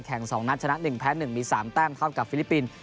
๒นัดชนะ๑แพ้๑มี๓แต้มเท่ากับฟิลิปปินส์